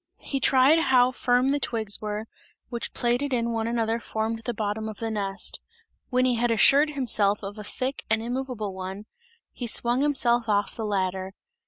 He tried how firm the twigs were, which plaited in one another formed the bottom of the nest; when he had assured himself of a thick and immoveable one, he swung himself off of the ladder.